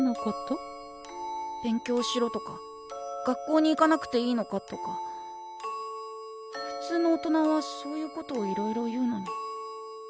勉強しろとか学校に行かなくていいのかとかふつうの大人はそういうことをいろいろ言うのに。